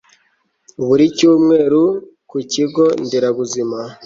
buri cyumweru ku kigo nderabuzima